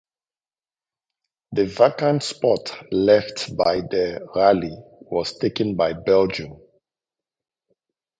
The vacant spot left by the rally was taken by Belgium.